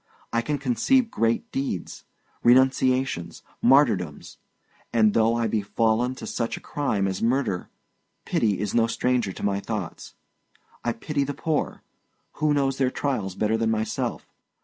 I can conceive great deeds, renunciations, martyrdoms; and though I be fallen to such a crime as murder, pity is no stranger to my thoughts. I pity the poor; who knows their trials better than myself?